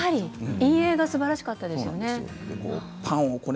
陰影がすばらしかったですよね。